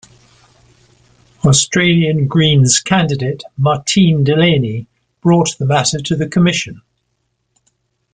Australian Greens candidate Martine Delaney brought the matter to the Commission.